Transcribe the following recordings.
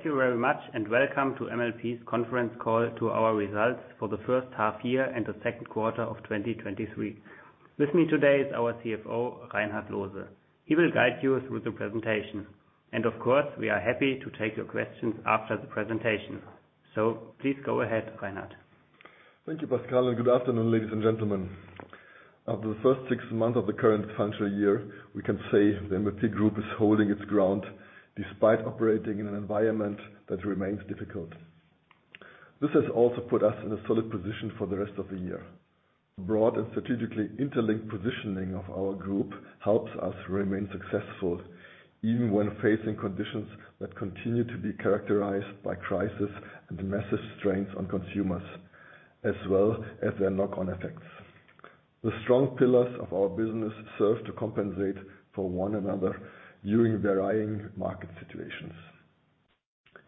Thank you very much. Welcome to MLP's conference call to Our Results for The First Half-year and The Second Quarter of 2023. With me today is our CFO, Reinhard Loose. He will guide you through the presentation. Of course, we are happy to take your questions after the presentation. Please go ahead, Reinhard. Thank you, Pascal, and good afternoon, ladies and gentlemen. After the first six months of the current financial year, we can say the MLP group is holding its ground despite operating in an environment that remains difficult. This has also put us in a solid position for the rest of the year. Broad and strategically interlinked positioning of our group helps us remain successful, even when facing conditions that continue to be characterized by crisis and massive strains on consumers, as well as their knock-on effects. The strong pillars of our business serve to compensate for one another during varying market situations.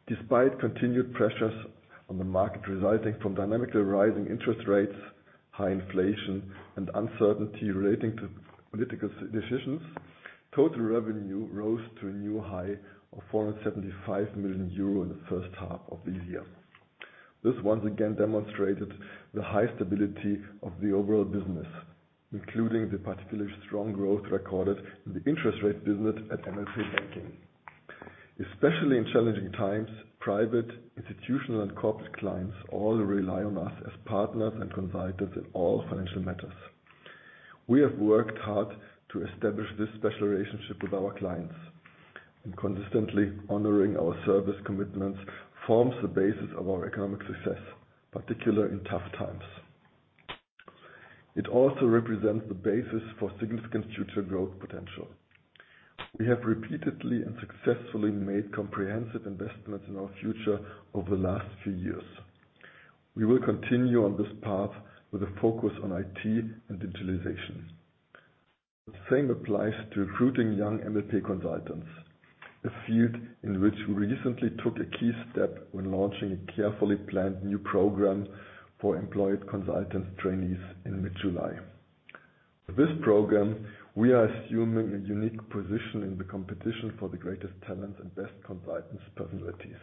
Despite continued pressures on the market resulting from dynamically rising interest rates, high inflation, and uncertainty relating to political decisions, total revenue rose to a new high of 475 million euro in the first half of this year. This once again demonstrated the high stability of the overall business, including the particularly strong growth recorded in the interest rate business at MLP Banking. Especially in challenging times, private, institutional, and corporate clients all rely on us as partners and consultants in all financial matters. We have worked hard to establish this special relationship with our clients, and consistently honoring our service commitments forms the basis of our economic success, particularly in tough times. It also represents the basis for significant future growth potential. We have repeatedly and successfully made comprehensive investments in our future over the last few years. We will continue on this path with a focus on IT and digitalization. The same applies to recruiting young MLP consultants, a field in which we recently took a key step when launching a carefully planned new program for employed consultant trainees in mid-July. With this program, we are assuming a unique position in the competition for the greatest talents and best consultants personalities.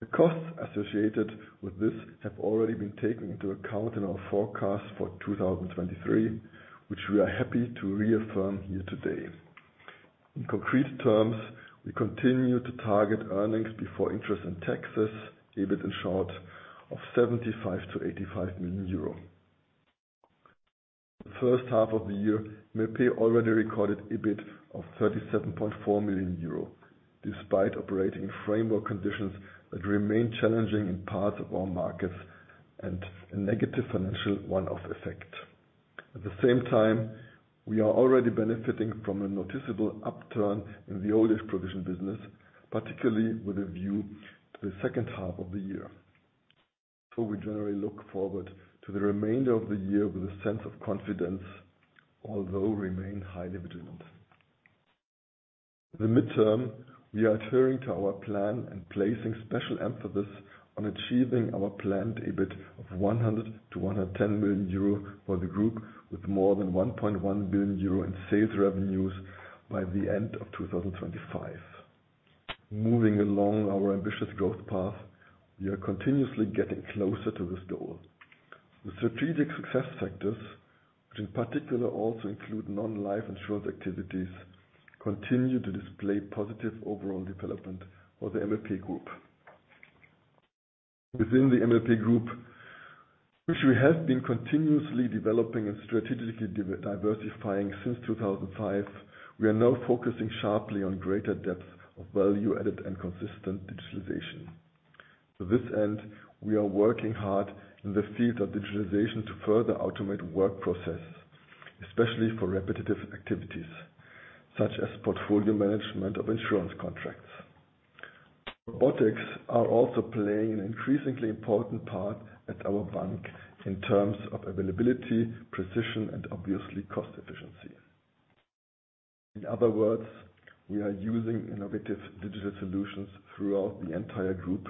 The costs associated with this have already been taken into account in our forecast for 2023, which we are happy to reaffirm here today. In concrete terms, we continue to target earnings before interest and taxes, EBIT in short, of 75 million-85 million euro. The first half of the year, MLP already recorded EBIT of 37.4 million euro, despite operating framework conditions that remain challenging in parts of our markets and a negative financial one-off effect. At the same time, we are already benefiting from a noticeable upturn in the old-age provision business, particularly with a view to the second half of the year. We generally look forward to the remainder of the year with a sense of confidence, although remain highly vigilant. The mid-term, we are adhering to our plan and placing special emphasis on achieving our planned EBIT of 100 million-110 million euro for the Group, with more than 1.1 billion euro in sales revenues by the end of 2025. Moving along our ambitious growth path, we are continuously getting closer to this goal. The strategic success factors, which in particular also include non-life insurance activities, continue to display positive overall development for the MLP Group. Within the MLP Group, which we have been continuously developing and strategically diversifying since 2005, we are now focusing sharply on greater depth of value-added and consistent digitalization. To this end, we are working hard in the field of digitalization to further automate work processes, especially for repetitive activities, such as portfolio management of insurance contracts. Robotics are also playing an increasingly important part at our bank in terms of availability, precision, and obviously cost efficiency. In other words, we are using innovative digital solutions throughout the entire group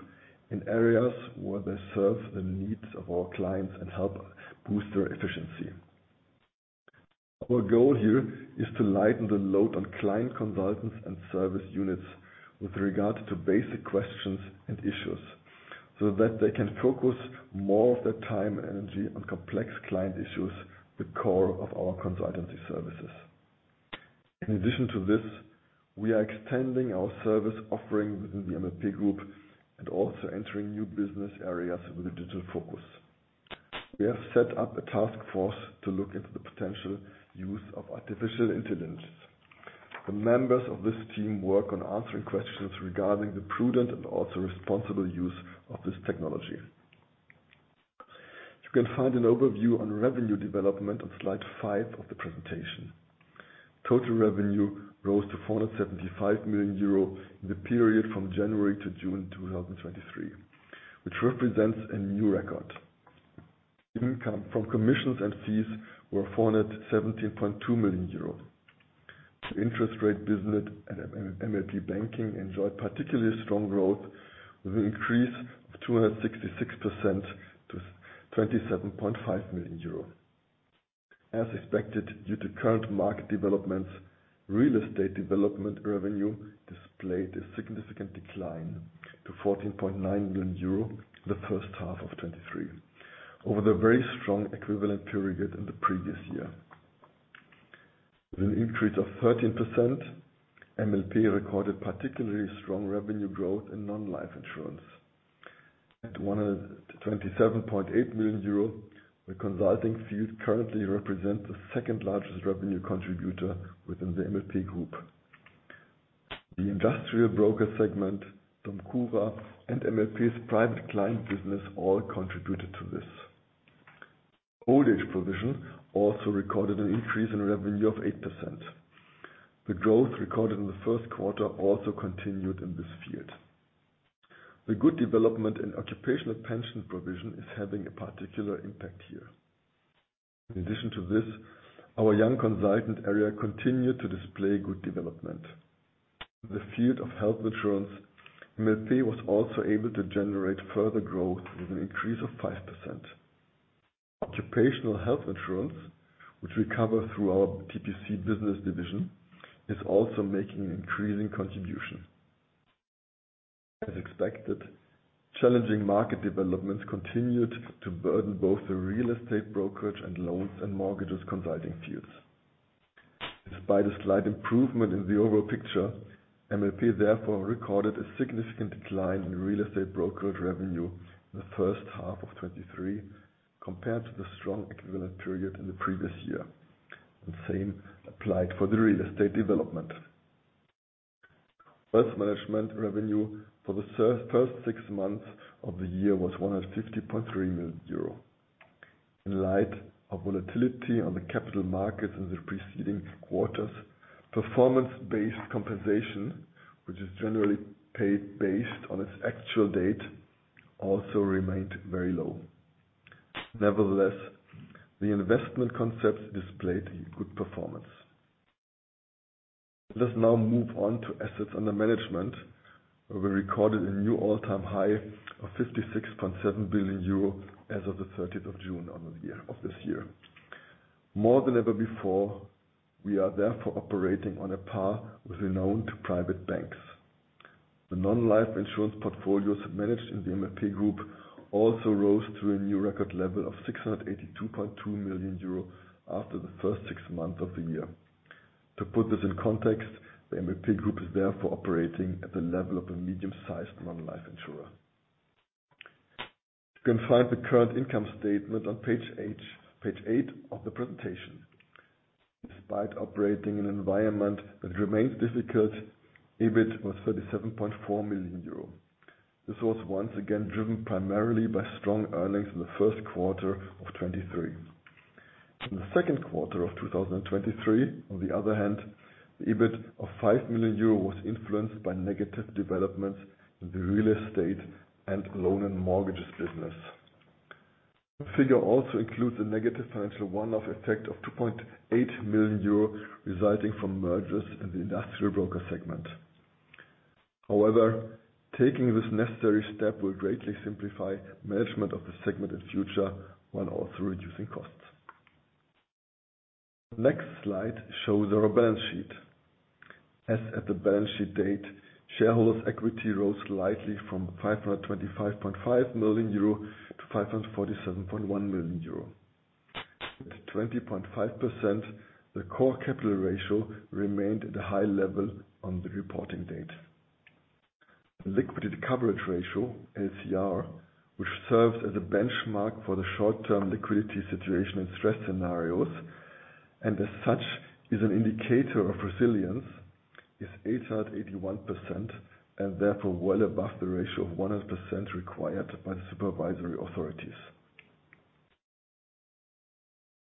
in areas where they serve the needs of our clients and help boost their efficiency. Our goal here is to lighten the load on client consultants and service units with regard to basic questions and issues, so that they can focus more of their time and energy on complex client issues, the core of our consultancy services. In addition to this, we are extending our service offering within the MLP group and also entering new business areas with a digital focus. We have set up a task force to look into the potential use of artificial intelligence. The members of this team work on answering questions regarding the prudent and also responsible use of this technology. You can find an overview on revenue development on slide 5 of the presentation. Total revenue rose to 475 million euro in the period from January to June 2023, which represents a new record. Income from commissions and fees were 417.2 million euros. The interest rate business at MLP Banking enjoyed particularly strong growth, with an increase of 266% to 27.5 million euro. As expected, due to current market developments, real estate development revenue displayed a significant decline to 14.9 million euro the first half of 2023, over the very strong equivalent period in the previous year. With an increase of 13%, MLP recorded particularly strong revenue growth in non-life insurance. At 127.8 million euro, the consulting field currently represents the second-largest revenue contributor within the MLP Group. The industrial broker segment, DOMCURA, and MLP's private client business, all contributed to this. Old-age provision also recorded an increase in revenue of 8%. The growth recorded in the first quarter also continued in this field. The good development in occupational pension provision is having a particular impact here. In addition to this, our young consultant area continued to display good development. In the field of health insurance, MLP was also able to generate further growth with an increase of 5%. Occupational health insurance, which we cover through our TPC business division, is also making an increasing contribution. As expected, challenging market developments continued to burden both the real estate brokerage and loans and mortgage consulting fields. Despite a slight improvement in the overall picture, MLP therefore recorded a significant decline in real estate brokerage revenue in the first half of 2023, compared to the strong equivalent period in the previous year. The same applied for the real estate development. Wealth management revenue for the first six months of the year was 150.3 million euro. In light of volatility on the capital markets in the preceding quarters, performance-based compensation, which is generally paid based on its actual date, also remained very low. Nevertheless, the investment concept displayed good performance. Let's now move on to assets under management, where we recorded a new all-time high of 56.7 billion euro as of the 13th of June of this year. More than ever before, we are therefore operating on a par with renowned private banks. The non-life insurance portfolios managed in the MLP Group also rose to a new record level of 682.2 million euro after the first six months of the year. To put this in context, the MLP Group is therefore operating at the level of a medium-sized non-life insurer. You can find the current income statement on page eight, page eight of the presentation. Despite operating in an environment that remains difficult, EBIT was 37.4 million euro. This was once again driven primarily by strong earnings in the first quarter of 2023. In the second quarter of 2023, on the other hand, the EBIT of 5 million euro was influenced by negative developments in the real estate and loan and mortgages business. Figure also includes a negative financial one-off effect of 2.8 million euro, resulting from mergers in the industrial broker segment. However, taking this necessary step will greatly simplify management of the segment in future, while also reducing costs. Next slide shows our balance sheet. As at the balance sheet date, shareholders' equity rose slightly from 525.5 million euro to 547.1 million euro. At 20.5%, the core capital ratio remained at a high-level on the reporting date. The liquidity coverage ratio, LCR, which serves as a benchmark for the short-term liquidity situation in stress scenarios, and as such, is an indicator of resilience, is 881%, and therefore well above the ratio of 100% required by supervisory authorities.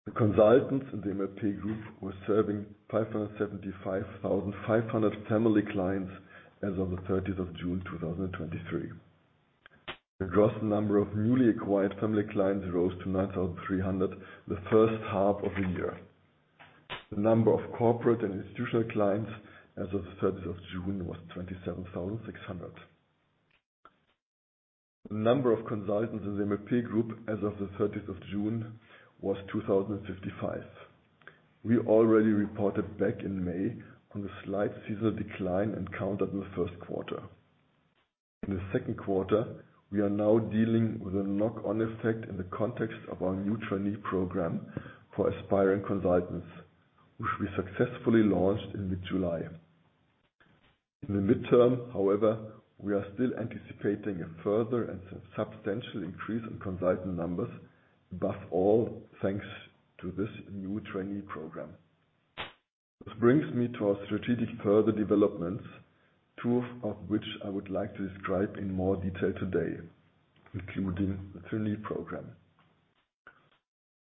The consultants in the MLP group were serving 575,500 family clients as of June 13, 2023. The gross number of newly acquired family clients rose to 9,300 the first half of the year. The number of corporate and institutional clients as of June 13, was 27,600. The number of consultants in the MLP group as of June 13 was 2,055. We already reported back in May on the slight seasonal decline encountered in the first quarter. In the second quarter, we are now dealing with a knock-on effect in the context of our new trainee program for aspiring consultants, which we successfully launched in mid-July. In the mid-term, however, we are still anticipating a further and substantial increase in consultant numbers, above all, thanks to this new trainee program. This brings me to our strategic further developments, two of which I would like to describe in more detail today, including the trainee program.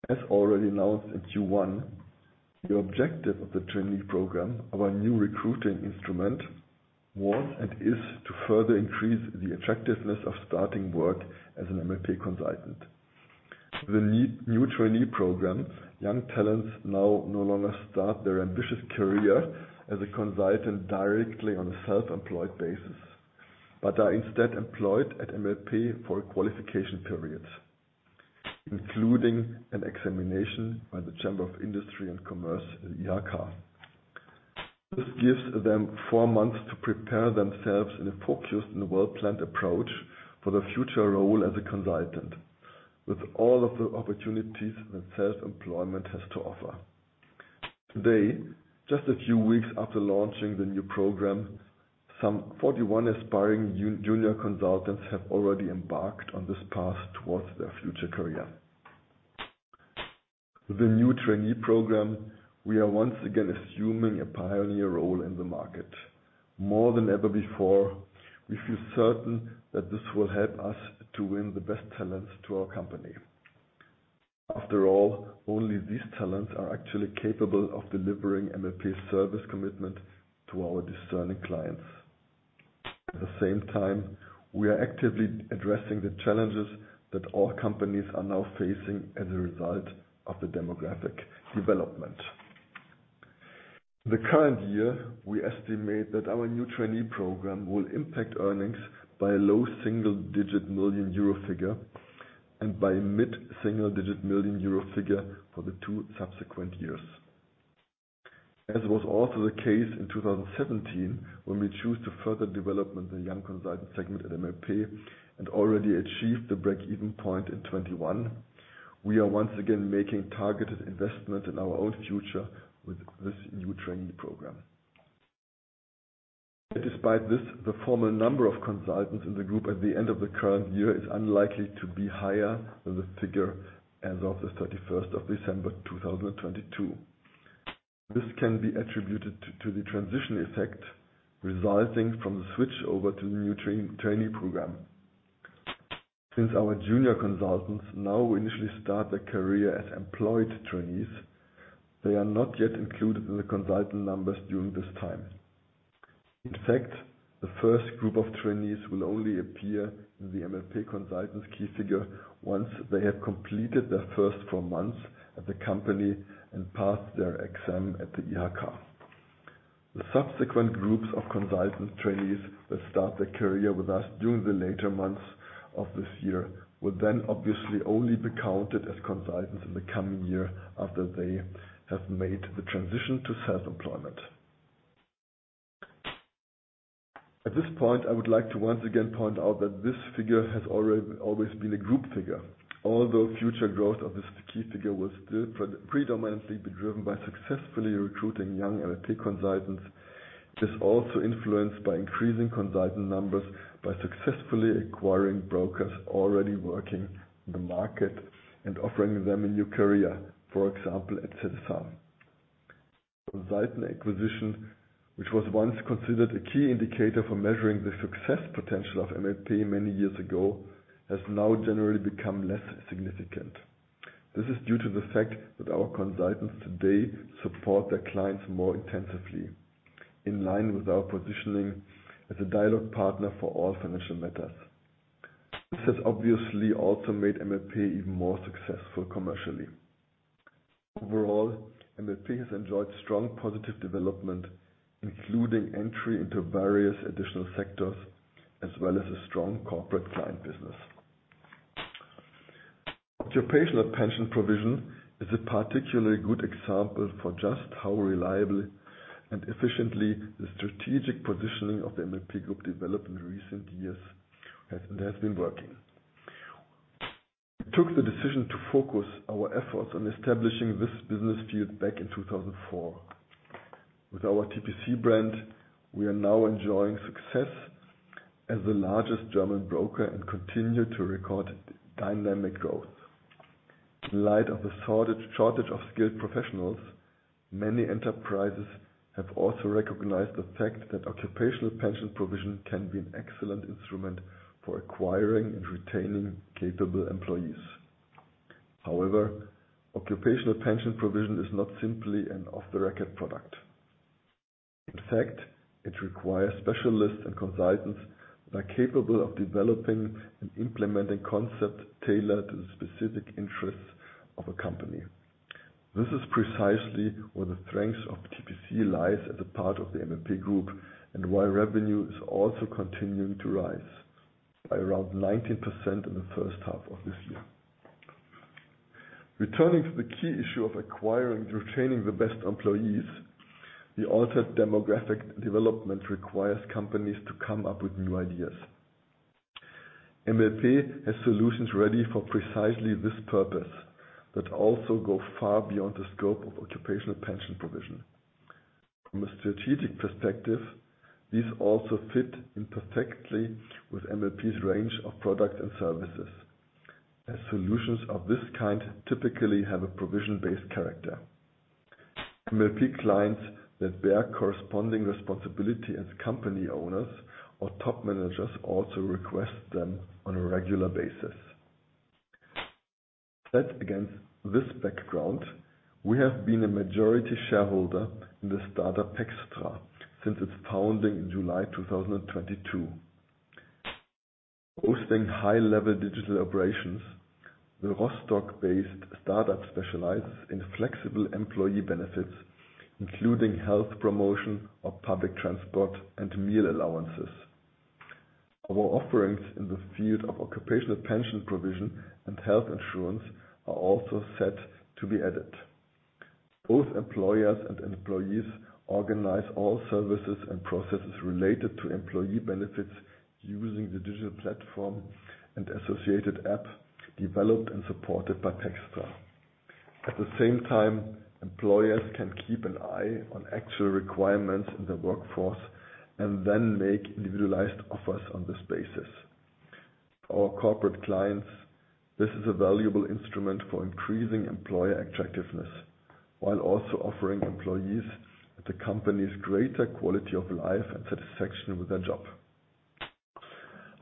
As already announced in Q1, the objective of the trainee program, our new recruiting instrument, was and is to further increase the attractiveness of starting work as an MLP consultant. With the new trainee program, young talents now no longer start their ambitious career as a consultant directly on a self-employed basis, but are instead employed at MLP for a qualification period, including an examination by the Chamber of Industry and Commerce, IHK. This gives them four months to prepare themselves in a focused and well-planned approach for their future role as a consultant, with all of the opportunities that self-employment has to offer. Today, just a few weeks after launching the new program, some 41 aspiring junior consultants have already embarked on this path towards their future career. With the new trainee program, we are once again assuming a pioneer role in the market. More than ever before, we feel certain that this will help us to win the best talents to our company. After all, only these talents are actually capable of delivering MLP's service commitment to our discerning clients. At the same time, we are actively addressing the challenges that all companies are now facing as a result of the demographic development. The current year, we estimate that our new trainee program will impact earnings by a low single-digit million euro figure and by mid-single-digit million euro figure for the two subsequent years. As was also the case in 2017, when we chose to further development the young consultant segment at MLP and already achieved the break-even point in 2021, we are once again making targeted investment in our own future with this new trainee program. Despite this, the formal number of consultants in the group at the end of the current year is unlikely to be higher than the figure as of the 31st of December, 2022. This can be attributed to the transition effect resulting from the switch over to the new trainee program. Since our junior consultants now initially start their career as employed trainees, they are not yet included in the consultant numbers during this time. In fact, the first group of trainees will only appear in the MLP consultants key figure once they have completed their first four months at the company and passed their exam at the IHK. The subsequent groups of consultant trainees that start their career with us during the later months of this year, will then obviously only be counted as consultants in the coming year after they have made the transition to self-employment. At this point, I would like to once again point out that this figure has always been a group figure. Although future growth of this key figure will still predominantly be driven by successfully recruiting young MLP consultants, it is also influenced by increasing consultant numbers, by successfully acquiring brokers already working in the market and offering them a new career, for example, at CECAN. Consultant acquisition, which was once considered a key indicator for measuring the success potential of MLP many years ago, has now generally become less significant. This is due to the fact that our consultants today support their clients more intensively, in line with our positioning as a dialogue partner for all financial matters. This has obviously also made MLP even more successful commercially. Overall, MLP has enjoyed strong positive development, including entry into various additional sectors, as well as a strong corporate client business. Occupational pension provision is a particularly good example for just how reliable and efficiently the strategic positioning of the MLP Group developed in recent years has been working. We took the decision to focus our efforts on establishing this business field back in 2004. With our TPC brand, we are now enjoying success as the largest German broker and continue to record dynamic growth. In light of the shortage of skilled professionals, many enterprises have also recognized the fact that occupational pension provision can be an excellent instrument for acquiring and retaining capable employees. Occupational pension provision is not simply an off-the-record product. In fact, it requires specialists and consultants that are capable of developing and implementing concepts tailored to the specific interests of a company. This is precisely where the strength of TPC lies as a part of the MLP Group, and why revenue is also continuing to rise by around 19% in the first half of this year. Returning to the key issue of acquiring and retaining the best employees, the altered demographic development requires companies to come up with new ideas. MLP has solutions ready for precisely this purpose, that also go far beyond the scope of occupational pension provision. From a strategic perspective, these also fit in perfectly with MLP's range of products and services, as solutions of this kind typically have a provision-based character. MLP clients that bear corresponding responsibility as company owners or top managers, also request them on a regular basis. Set against this background, we have been a majority shareholder in the startup pxtra since its founding in July 2022. posting high-level digital operations, the Rostock-based startup specializes in flexible employee benefits, including health promotion or public transport and meal allowances. Our offerings in the field of occupational pension provision and health insurance are also set to be added. Both employers and employees organize all services and processes related to employee benefits using the digital platform and associated app, developed and supported by pxtra. At the same time, employers can keep an eye on actual requirements in the workforce and then make individualized offers on this basis. Our corporate clients, this is a valuable instrument for increasing employer attractiveness, while also offering employees the company's greater quality of life and satisfaction with their job.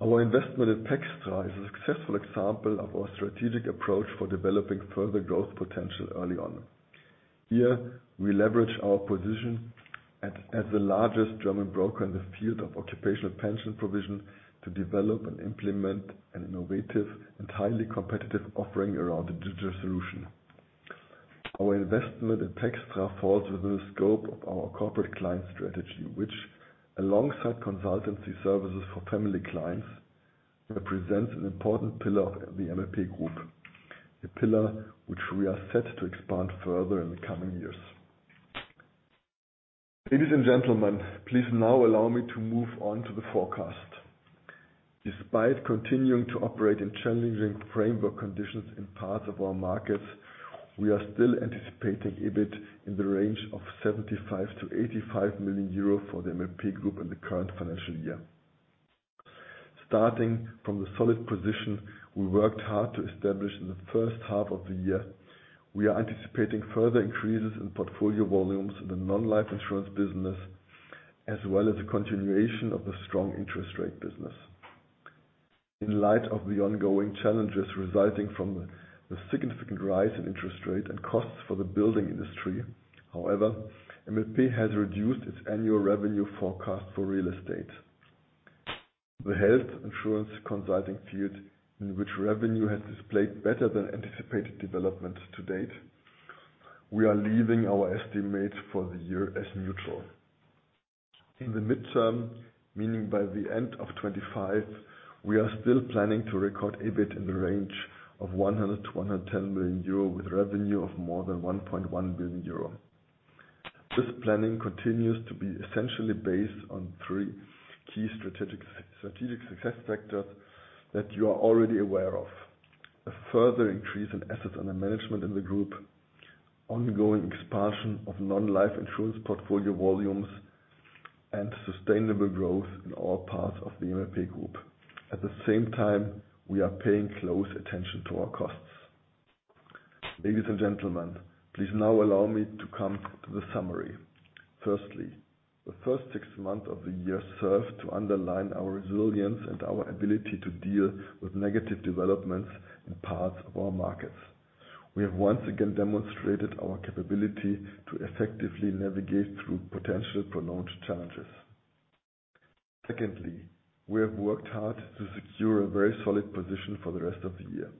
Our investment in pxtra is a successful example of our strategic approach for developing further growth potential early on. Here, we leverage our position at, as the largest German broker in the field of occupational pension provision, to develop and implement an innovative and highly competitive offering around the digital solution. Our investment in pxtra falls within the scope of our corporate client strategy, which alongside consultancy services for family clients, represents an important pillar of the MLP Group, a pillar which we are set to expand further in the coming years. Ladies and gentlemen, please now allow me to move on to the forecast. Despite continuing to operate in challenging framework conditions in parts of our markets, we are still anticipating EBIT in the range of 75 million-85 million euro for the MLP Group in the current financial year. Starting from the solid position we worked hard to establish in the first half of the year, we are anticipating further increases in portfolio volumes in the non-life insurance business, as well as a continuation of the strong interest rate business. In light of the ongoing challenges resulting from the significant rise in interest rate and costs for the building industry, however, MLP has reduced its annual revenue forecast for real estate. The health insurance consulting field, in which revenue has displayed better than anticipated development to date, we are leaving our estimates for the year as neutral. In the mid-term, meaning by the end of 2025, we are still planning to record EBIT in the range of 100 million-110 million euro, with revenue of more than 1.1 billion euro. This planning continues to be essentially based on three key strategic, strategic success factors that you are already aware of: a further increase in assets under management in the group, ongoing expansion of non-life insurance portfolio volumes, and sustainable growth in all parts of the MLP Group. At the same time, we are paying close attention to our costs. Ladies and gentlemen, please now allow me to come to the summary. Firstly, the first six months of the year served to underline our resilience and our ability to deal with negative developments in parts of our markets. We have once again demonstrated our capability to effectively navigate through potential pronounced challenges. Secondly, we have worked hard to secure a very solid position for the rest of the year.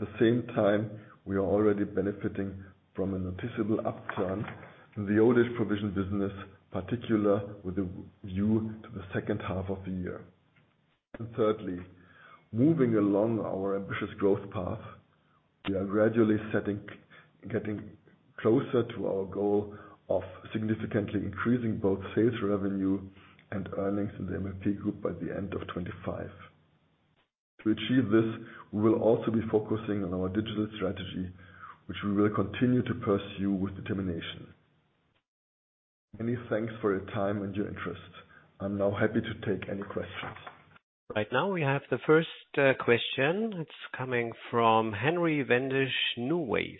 At the same time, we are already benefiting from a noticeable upturn in the old-age provision business, particularly with a view to the second half of the year. Thirdly, moving along our ambitious growth path, we are gradually getting closer to our goal of significantly increasing both sales revenue and earnings in the MLP Group by the end of 2025. To achieve this, we will also be focusing on our digital strategy, which we will continue to pursue with determination. Many thanks for your time and your interest. I'm now happy to take any questions. Right now, we have the first question. It's coming from Henry Wendisch, NuWays.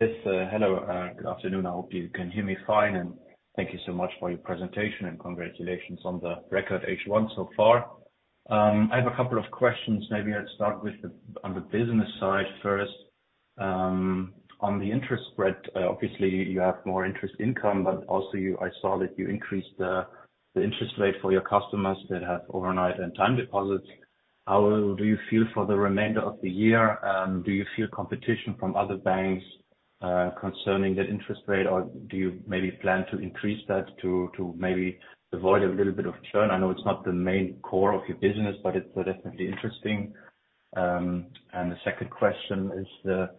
Yes. Hello, good afternoon. I hope you can hear me fine, and thank you so much for your presentation, and congratulations on the record H1 so far. I have a couple of questions. Maybe I'd start with the, on the business side first. On the interest spread, obviously you have more interest income, but also I saw that you increased the, the interest rate for your customers that have overnight and time deposits. How do you feel for the remainder of the year, do you feel competition from other banks, concerning the interest rate, or do you maybe plan to increase that to, to maybe avoid a little bit of churn? I know it's not the main core of your business, but it's definitely interesting. The second question is, the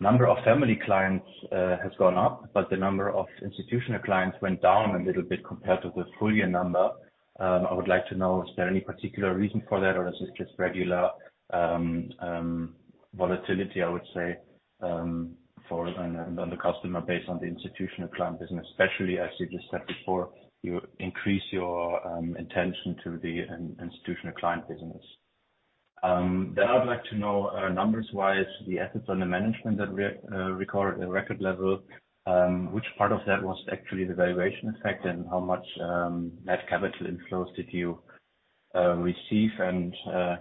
number of family clients has gone up, but the number of institutional clients went down a little bit compared to the full year number. I would like to know, is there any particular reason for that, or is this just regular volatility, I would say, for, on the customer base, on the institutional client business? Especially as you just said before, you increase your intention to the institutional client business. Then I'd like to know, numbers-wise, the assets under management that we recorded a record level, which part of that was actually the valuation effect, and how much net capital inflows did you receive?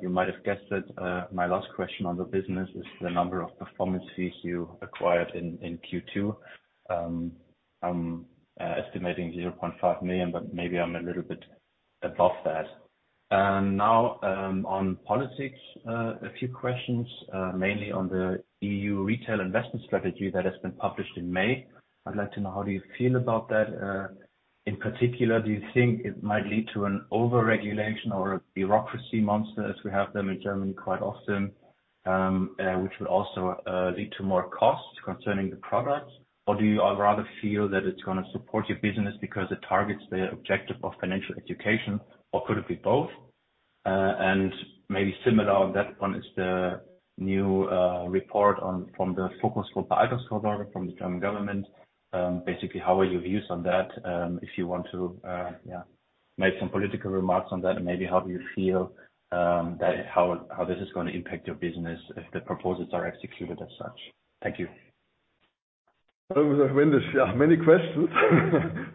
You might have guessed that my last question on the business is the number of performance fees you acquired in Q2. I'm estimating 0.5 million, but maybe I'm a little bit above that. Now, on politics, a few questions, mainly on the EU retail investment strategy that has been published in May. I'd like to know, how do you feel about that? In particular, do you think it might lead to an overregulation or a bureaucracy monster, as we have them in Germany quite often, which would also lead to more costs concerning the products? Do you rather feel that it's gonna support your business because it targets the objective of financial education, or could it be both? Maybe similar on that one is the new report on, from the Focus Group, from the German Government. Basically, how are your views on that? If you want to, make some political remarks on that, and maybe how do you feel, how this is gonna impact your business if the proposals are executed as such? Thank you. Many questions.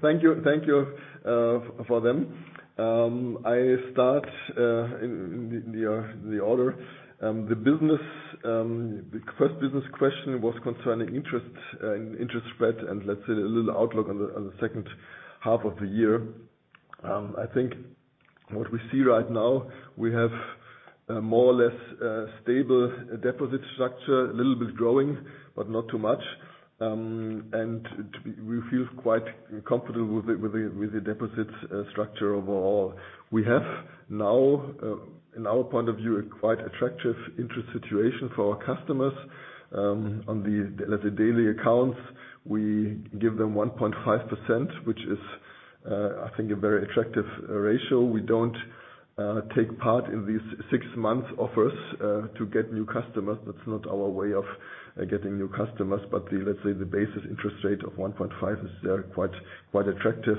Thank you, thank you, for them. I start in the order. The business, the first business question was concerning interest, interest spread, and let's say a little outlook on the second half of the year. I think what we see right now, we have more or less stable deposit structure, a little bit growing, but not too much. We feel quite comfortable with the deposits structure overall. We have now, in our point of view, a quite attractive interest situation for our customers. On the, let's say, daily accounts, we give them 1.5%, which is, I think, a very attractive ratio. We don't take part in these six-month offers to get new customers. That's not our way of getting new customers, but the base interest rate of 1.5 is quite, quite attractive.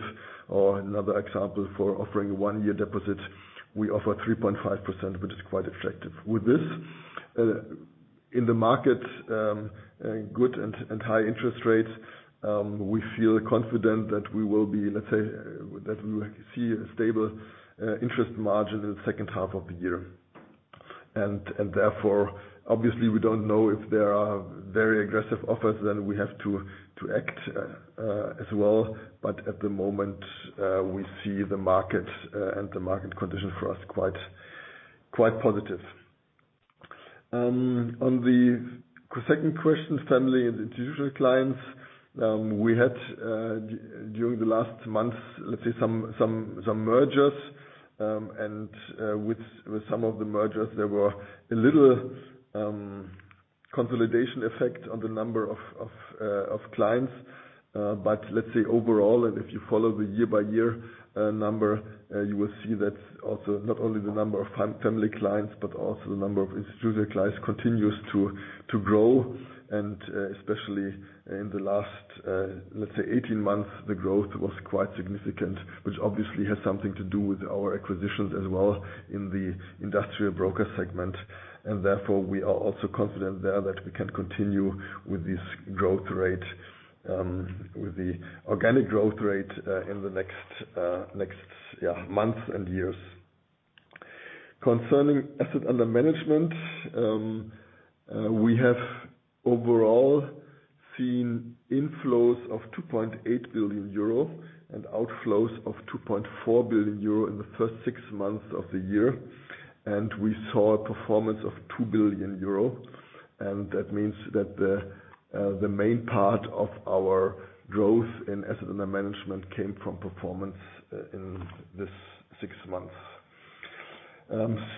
Another example for offering a one-year deposit, we offer 3.5%, which is quite attractive. With this in the market, good and high interest rates, we feel confident that we will be that we will see a stable interest margin in the second half of the year. Therefore, obviously, we don't know if there are very aggressive offers, then we have to act as well. At the moment, we see the market and the market conditions for us quite, quite positive. On the second question, family and institutional clients, we had during the last month some, some, some mergers. With some of the mergers, there were a little consolidation effect on the number of clients. Let's say overall, and if you follow the year-by-year number, you will see that also not only the number of family clients, but also the number of institutional clients continues to grow. Especially in the last, let's say 18 months, the growth was quite significant, which obviously has something to do with our acquisitions as well in the industrial broker segment. Therefore, we are also confident there that we can continue with this growth rate, with the organic growth rate, in the next months and years. Concerning assets under management, we have overall seen inflows of 2.8 billion euro and outflows of 2.4 billion euro in the first six months of the year. We saw a performance of 2 billion euro, and that means that the main part of our growth in assets under management came from performance in this six months.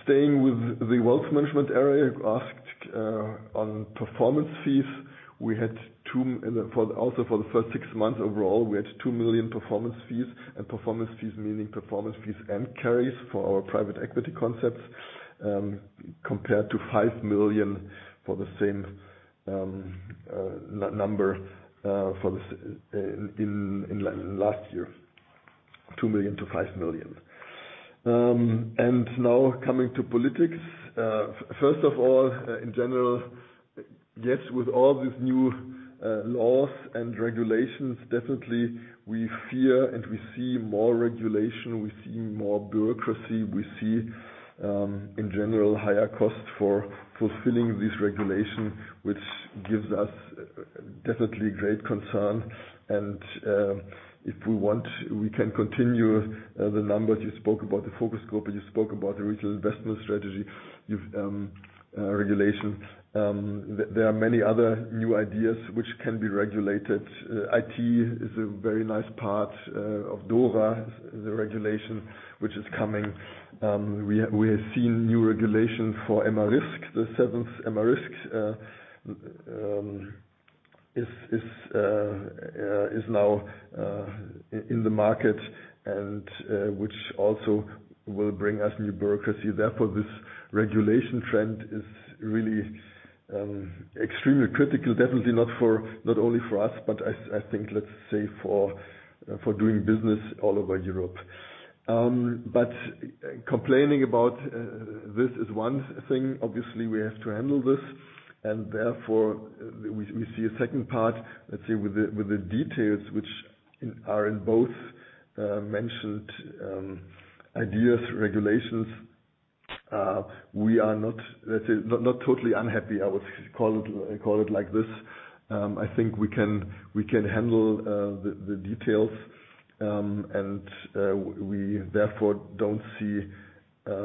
Staying with the wealth management area, asked on performance fees, for the first six months overall, we had 2 million performance fees. Performance fees, meaning performance fees and carries for our private equity concepts, compared to 5 million for the same number last year, 2 million to 5 million. Now coming to politics, first of all, in general, yes, with all these new laws and regulations, definitely we fear and we see more regulation, we see more bureaucracy. We see in general, higher costs for fulfilling this regulation, which gives us definitely great concern. If we want, we can continue the numbers. You spoke about the focus group, you spoke about the Retail Investment Strategy, you've regulation. There, there are many other new ideas which can be regulated. IT is a very nice part of DORA, the regulation which is coming. We, we have seen new regulations for MaRisk. The seventh MaRisk is, is now in the market and which also will bring us new bureaucracy. Therefore, this regulation trend is really extremely critical. Definitely not for, not only for us, but I, I think, let's say for doing business all over Europe. Complaining about this is one thing. Obviously, we have to handle this, and therefore, we, we see a second part, let's say with the details, which are in both mentioned ideas, regulations. We are not, let's say, not, not totally unhappy. I would call it, call it like this. I think we can, we can handle the details. We therefore don't see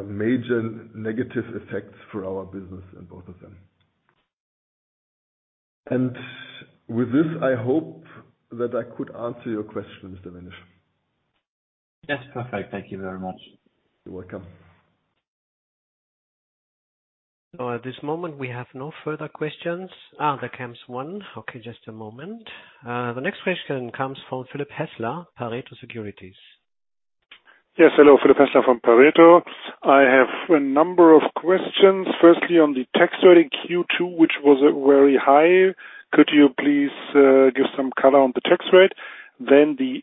major negative effects for our business in both of them. With this, I hope that I could answer your question, Mr. Ganesh. Yes, perfect. Thank you very much. You're welcome. At this moment, we have no further questions. Ah, there comes one. Okay, just a moment. The next question comes from Philipp Hessler, Pareto Securities. Yes. Hello, Philipp Hessler from Pareto. I have a number of questions. Firstly, on the tax rate in Q2, which was very high. Could you please give some color on the tax rate? The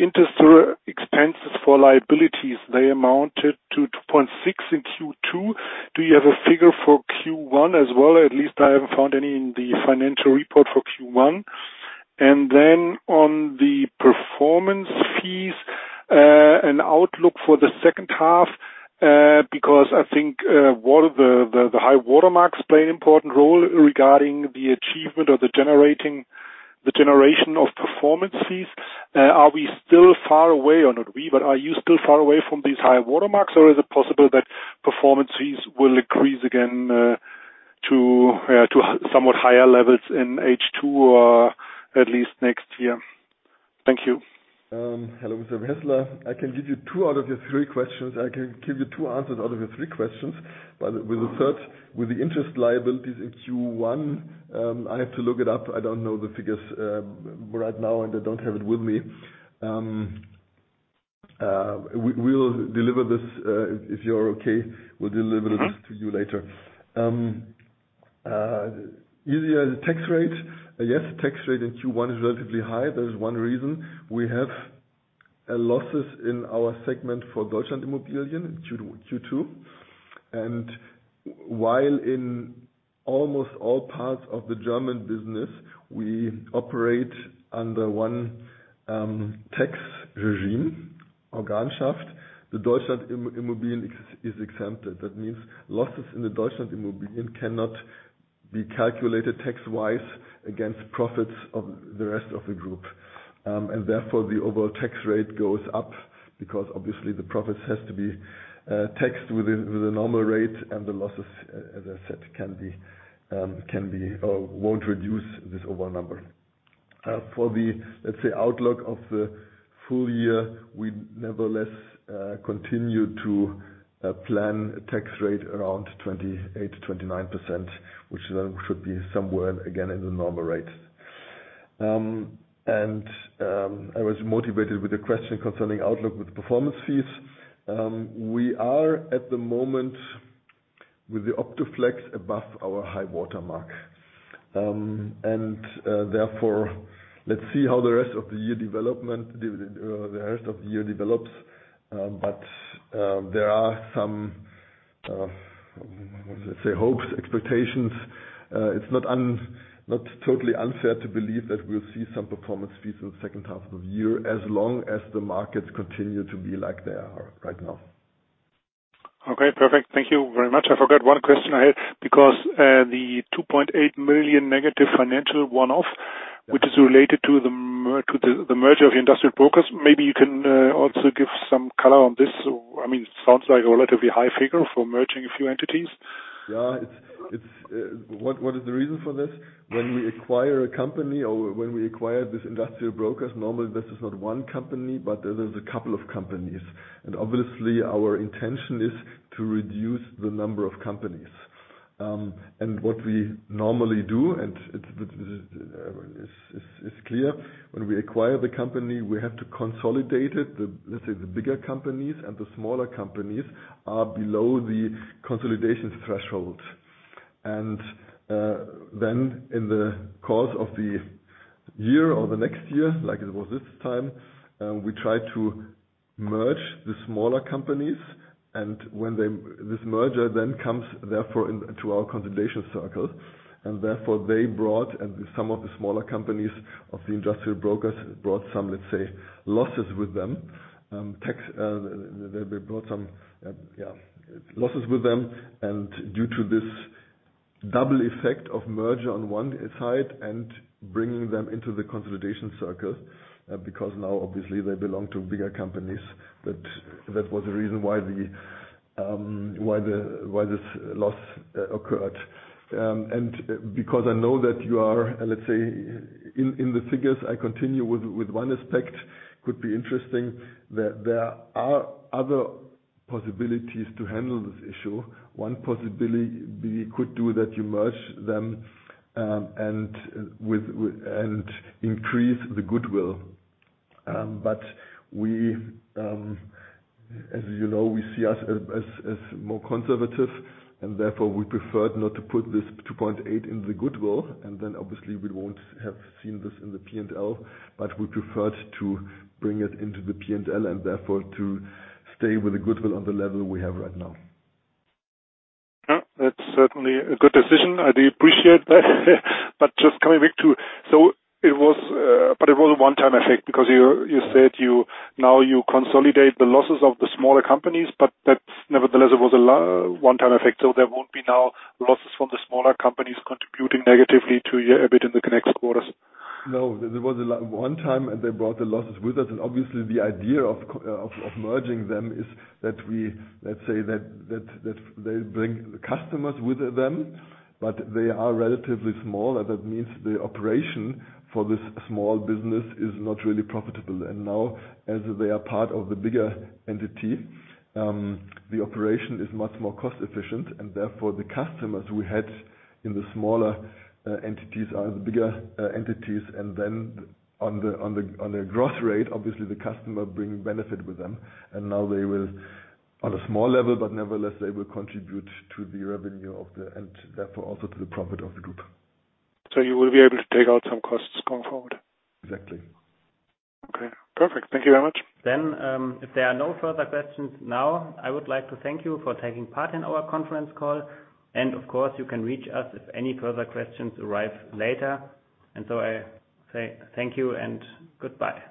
interest expenses for liabilities, they amounted to 2.6 in Q2. Do you have a figure for Q1 as well? At least I haven't found any in the financial report for Q1. On the performance fees and outlook for the second half, because I think one of the high-water marks play an important role regarding the achievement or the generation of performance fees. Are we still far away or not we, but are you still far away from these high-water marks, or is it possible that performance fees will increase again to somewhat higher levels in H2 or at least next year? Thank you. Hello, Mr. Hessler. I can give you two out of your three questions. I can give you two answers out of your three questions, but with the third, with the interest liabilities in Q1, I have to look it up. I don't know the figures right now, and I don't have it with me. We, we'll deliver this, if you're okay, we'll deliver this to you later. Easier, the tax rate. Yes, the tax rate in Q1 is relatively high. There is one reason. We have losses in our segment for DEUTSCHE IMMOBILIEN in Q2, Q2. While in almost all parts of the German business, we operate under one tax regime, Organschaft, the DEUTSCHE IMMOBILIEN is exempted. That means losses in the DEUTSCHE IMMOBILIEN cannot be calculated tax-wise against profits of the rest of the group. Therefore, the overall tax rate goes up because obviously the profits has to be taxed with the normal rate, and the losses, as I said, can be, won't reduce this overall number. For the, let's say, outlook of the full year, we nevertheless continue to plan a tax rate around 28%-29%, which then should be somewhere again, in the normal rate. I was motivated with a question concerning outlook with the performance fees. We are at the moment with the OptiFlex above our high-water mark. Therefore, let's see how the rest of the year development the rest of the year develops. There are some, let's say, hopes, expectations. It's not not totally unfair to believe that we'll see some performance fees in the second half of the year, as long as the markets continue to be like they are right now. Okay, perfect. Thank you very much. I forgot one question I had, because, the negative 2.8 million financial one-off, which is related to the merger of industrial brokers. Maybe you can, also give some color on this. I mean, it sounds like a relatively high figure for merging a few entities. Yeah, what is the reason for this? When we acquire a company or when we acquire this industrial brokers, normally, this is not one company, but there is a couple of companies. What we normally do, it's clear, when we acquire the company, we have to consolidate it. The, let's say, the bigger companies and the smaller companies are below the consolidation threshold. Then in the course of the year or the next year, like it was this time, we try to merge the smaller companies, and this merger then comes therefore, into our consolidation circle. Therefore, some of the smaller companies of the industrial brokers brought some, let's say, losses with them. Tax, they, they brought some, yeah, losses with them, and due to this double effect of merger on one side and bringing them into the consolidation circle, because now obviously they belong to bigger companies. That, that was the reason why the, why the, why this loss occurred. Because I know that you are, let's say, in, in the figures I continue with, with one aspect, could be interesting, that there are other possibilities to handle this issue. One possibility we could do, that you merge them, and with, with, and increase the goodwill. We, as you know, we see us as, as, more conservative, and therefore, we preferred not to put this 2.8 in the goodwill, and then obviously, we won't have seen this in the P&L. We preferred to bring it into the P&L, and therefore, to stay with the goodwill on the level we have right now. Yeah, that's certainly a good decision. I do appreciate that. Just coming back to, it was, but it was a one-time effect, because you, you said you, now you consolidate the losses of the smaller companies, but that's nevertheless, it was a one-time effect, so there won't be now losses from the smaller companies contributing negatively to your EBITDA in the next quarters? No, it was a one time, and they brought the losses with us, and obviously, the idea of of, of merging them is that we, let's say that, that, that they bring the customers with them, but they are relatively small, and that means the operation for this small business is not really profitable. And now, as they are part of the bigger entity, the operation is much more cost efficient, and therefore, the customers we had in the smaller entities, are the bigger entities. And then on the, on the, on the growth rate, obviously the customer bring benefit with them, and now they will, on a small level, but nevertheless, they will contribute to the revenue of the and therefore, also to the profit of the group. You will be able to take out some costs going forward? Exactly. Okay, perfect. Thank you very much. If there are no further questions now, I would like to thank you for taking part in our conference call, and of course, you can reach us if any further questions arrive later. I say thank you and goodbye.